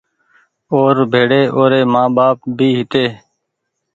اور ڀيڙي اوري مآن ٻآپ بي هيتي